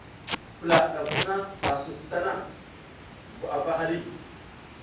Pula ɗaf vuna a suf tana vu ava haɗi.